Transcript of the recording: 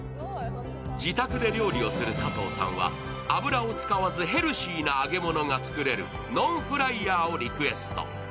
自宅で料理をする佐藤さんは油を使わずヘルシーな揚げ物が作れるノンフライヤーをリクエスト。